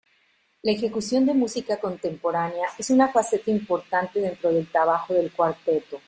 La ejecución de música contemporánea es una faceta importante dentro del trabajo del cuarteto.